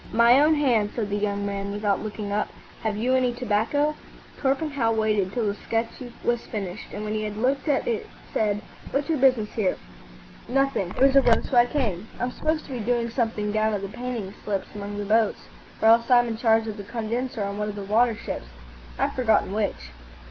"My own hand," said the young man, without looking up. "Have you any tobacco?" Torpenhow waited till the sketch was finished, and when he had looked at it said, "What's your business here?" "Nothing; there was a row, so I came. I'm supposed to be doing something down at the painting slips among the boats, or else I'm in charge of the condenser on one of the water ships. I've forgotten which."